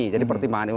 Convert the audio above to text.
jadi pertimbangan ibu